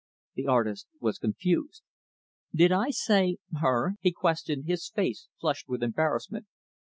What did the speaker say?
The artist was confused. "Did I say, her?" he questioned, his face flushed with embarrassment.